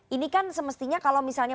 ini kan semestinya kalau misalnya